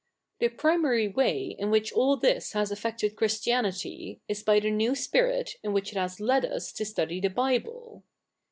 The pri?nary way in which all this has affected Christianity, is by the new spirit in which it has led us to study the Bible.